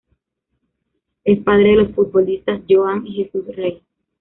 Es padre de los futbolistas Johan y Jesús Rey.